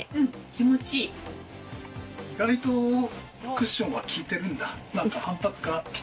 意外とクッションは利いてるんだ。